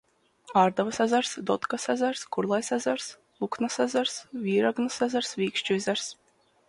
Ārdavas ezers, Dodkas ezers, Kurlais ezers, Luknas ezers, Vīragnas ezers, Višķu ezers.